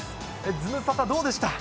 ズムサタ、どうでした？